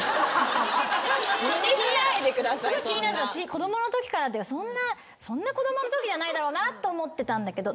子供のときからってそんな子供のときじゃないだろうと思ってたんだけど。